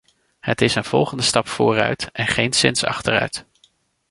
Het is een volgende stap vooruit en geenszins achteruit.